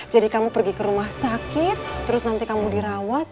jadi kamu pergi ke rumah sakit terus nanti kamu dirawat